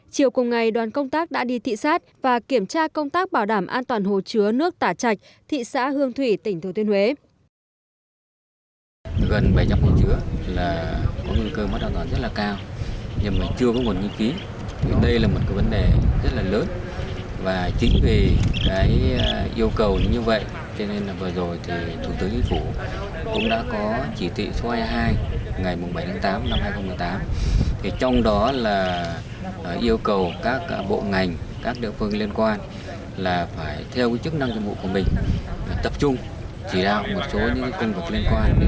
chiều cùng ngày đoàn công tác đã đi thị xát và kiểm tra công tác bảo đảm an toàn hồ chứa nước tả trạch thị xã hương thủy tỉnh thủ tuyên huế